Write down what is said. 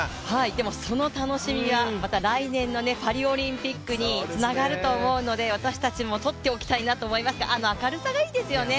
でもその楽しみがまた来年のパリオリンピックにつながると思うので、私たちもとっておきたいなと思いますがあの明るさがいいですよね。